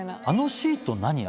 あのシート何？